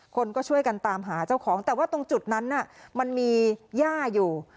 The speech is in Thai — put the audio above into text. คนก็ช่วยกันตามหาเจ้าของแต่ว่าตรงจุดนั้นมันมีย่าอยู่